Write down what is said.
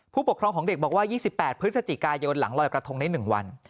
ผู้ปกครองของเด็กบอกว่า๒๘พฤศจิกายนหลังลอยกระทงได้๑วัน